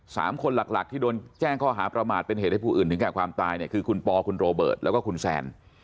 สามคนหลักหลักที่โดนแจ้งข้อหาประมาทเป็นเหตุให้ผู้อื่นถึงแก่ความตายเนี่ยคือคุณปอคุณโรเบิร์ตแล้วก็คุณแซน